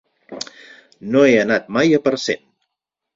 No he anat mai a Parcent.